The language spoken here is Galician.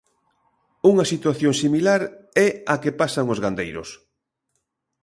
Unha situación similar é a que pasan os gandeiros.